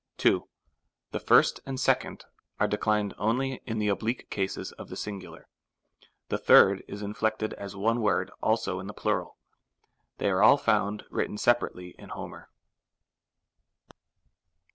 2. The first and second are declined only in the oblique cases of the sing. ; the third is inflected as one word also in the plural. They are all found written separately in Homer.